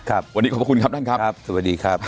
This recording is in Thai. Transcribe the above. ครับวันนี้ขอบคุณครับนั่นครับครับสวัสดีครับ